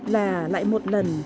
là lại một lần